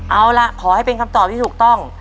เอาล่ะขอให้เป็นคำตอบที่ถูกต้อง